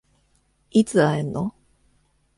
いつ会えんの？